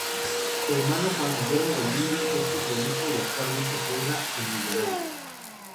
Su hermano Juan Guillermo Domínguez es futbolista y actualmente juega en Millonarios.